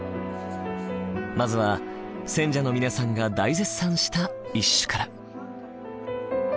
まずは選者の皆さんが大絶賛した一首から。